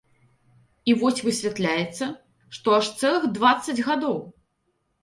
І вось высвятляецца, што аж цэлых дваццаць гадоў!